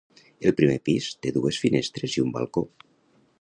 El primer pis té dues finestres i un balcó.